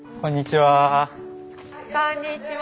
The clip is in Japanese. こんにちは。